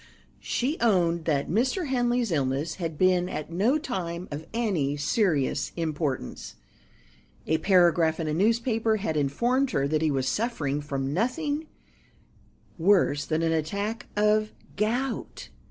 She owned that Mr. Henley's illness had been at no time of any serious importance. A paragraph in a newspaper had informed her that he was suffering from nothing worse than an attack of gout.